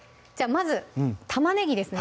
まず玉ねぎですね